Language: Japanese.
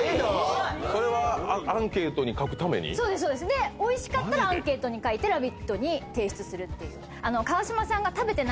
でおいしかったらアンケートに書いて『ラヴィット！』に提出するっていう。